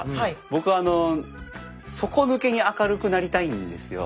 僕底抜けに明るくなりたいんですよ。